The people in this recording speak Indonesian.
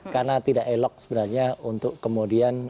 karena tidak elok sebenarnya untuk kemudian